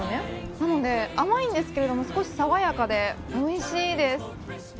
なので甘いんですけど少し爽やかでおいしいです。